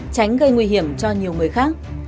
tránh gây nguy hiểm cho nhiều người khác